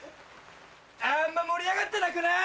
あんま盛り上がってなくない？